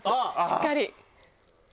しっかり。